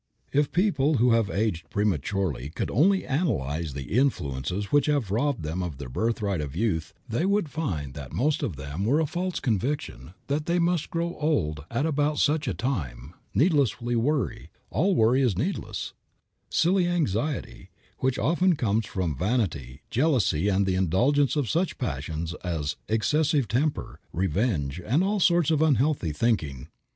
If people who have aged prematurely could only analyze the influences which have robbed them of their birthright of youth they would find that most of them were a false conviction that they must grow old at about such a time, needless worry, all worry is needless, silly anxiety, which often comes from vanity, jealousy and the indulgence of such passions as excessive temper, revenge, and all sorts of unhealthy thinking.